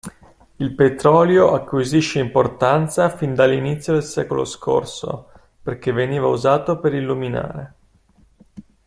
Il petrolio acquisisce importanza fin dall'inizio del secolo scorso perché veniva usato per illuminare.